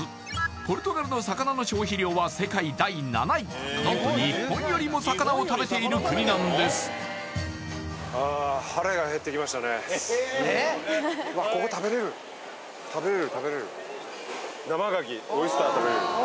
ポルトガルの魚の消費量は世界第７位なんと日本よりも魚を食べている国なんですオイスター食べれる